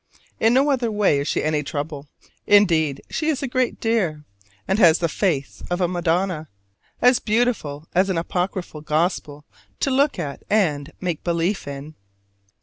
In no other way is she any trouble: indeed, she is a great dear, and has the face of a Madonna, as beautiful as an apocryphal gospel to look at and "make believe" in.